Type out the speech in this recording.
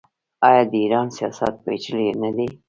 آیا د ایران سیاست پیچلی نه دی؟